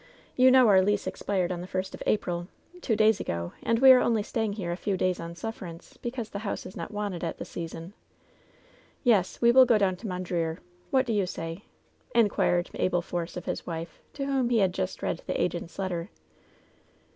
You know our lease expired on the first of April — ^two days ago— and we are only staying here a few days on sufferance, because the house is not wanted at this season. Yes ; we will go down to Mondreer. What do you say V^ inquired Abel Force of his wife, to whom he had just read the agent's letter.